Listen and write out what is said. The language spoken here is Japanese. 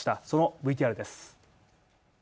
そのＶＴＲです。